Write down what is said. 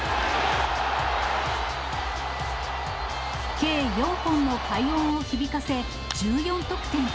計４本の快音を響かせ、１４得点。